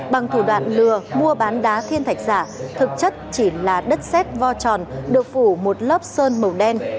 bằng thủ đoạn lừa mua bán đá thiên thạch giả thực chất chỉ là đất xét vo tròn được phủ một lớp sơn màu đen